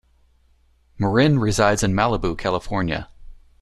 Marin resides in Malibu, California.